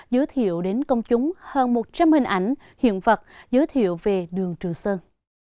giới thiệu đến công chúng hơn một trăm linh hình ảnh hiện vật giới thiệu về đường trường sơn